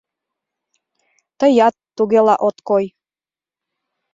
— Тыят тугела от кой...